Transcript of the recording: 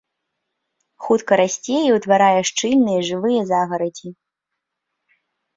Хутка расце і ўтварае шчыльныя жывыя загарадзі.